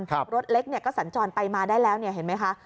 รถเล็กเนี่ยก็สัญจรไปมาได้แล้วเนี่ยเห็นไหมคะ